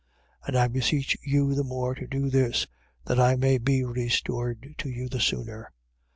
13:19. And I beseech you the more to do this, that I may be restored to you the sooner.